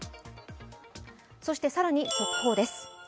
そして更に速報です。